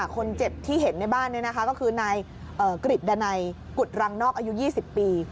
คนเจ็บที่เห็นในบ้านก็คือนายกริจดันัยกุฎรังนอกอายุ๒๐ปี